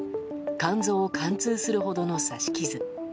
肝臓を貫通するほどの刺し傷。